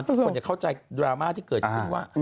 ทุกคนเข้าใจดราม่าที่เกิดขึ้นว่า